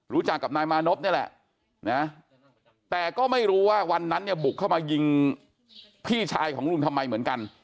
รู้จักกับนายมานพนี่แหละนะแต่ก็ไม่รู้ว่าวันนั้นเนี่ยบุกเข้ามายิงพี่ชายของลุงทำไมเหมือนกัน